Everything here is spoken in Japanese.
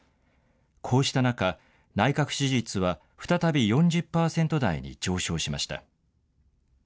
こうした中、内閣支持率は再び４０％台に上昇しました。